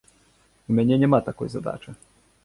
У мяне няма такой задачы.